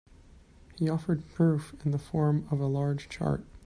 He offered proof in the form of a large chart.